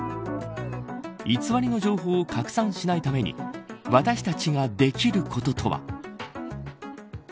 偽りの情報を拡散しないために私たちができることとは。